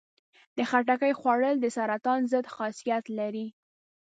د خټکي خوړل د سرطان ضد خاصیت لري.